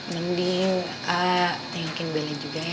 mending a tengokin bella juga ya